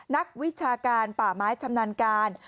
นักวิชาการป่าไม้ชำนาญการ